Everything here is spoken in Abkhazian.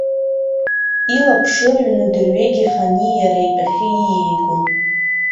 Илаԥш ырҩны дырҩегьых ани, иара итәахьы ииаигон.